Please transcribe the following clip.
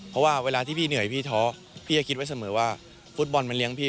เพราะว่าเวลาที่พี่เหนื่อยพี่ท้อพี่จะคิดไว้เสมอว่าฟุตบอลมันเลี้ยพี่